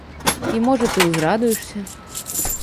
І, можа, ты ўзрадуешся.